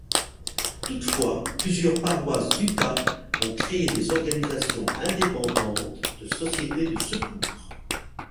Toutefois, plusieurs paroisses d’Utah ont créé des organisations indépendantes de Société de secours.